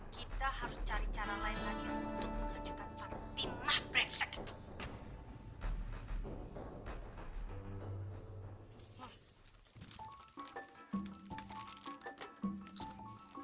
kita harus cari cara lain lagi untuk mengajukan fatima brengsek itu